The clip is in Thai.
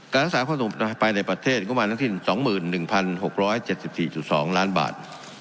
๒การรักษาความสงบภัยในประเทศก็มาทั้งที่๒๑๖๗๔๒ล้านบาท